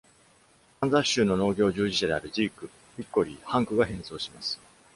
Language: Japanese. カンザス州の農業従事者である Zeke、Hickory、Hunk が演奏します。